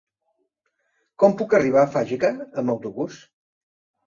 Com puc arribar a Fageca amb autobús?